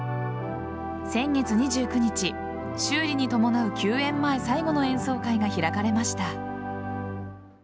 先月２９日、修理に伴う休演前最後の演奏会が開かれました。